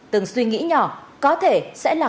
từng suy nghĩ nhỏ có thể sẽ là